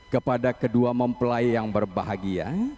kepada kedua mempelai yang berbahagia